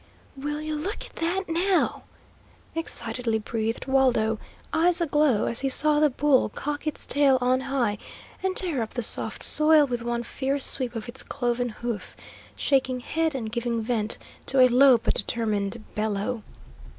"Will you look at that, now?" excitedly breathed Waldo, eyes aglow, as he saw the bull cock its tail on high and tear up the soft soil with one fierce sweep of its cloven hoof, shaking head and giving vent to a low but determined bellow.